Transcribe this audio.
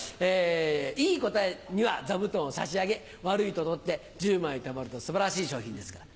いい答えには座布団を差し上げ悪いと取って１０枚たまると素晴らしい賞品ですから。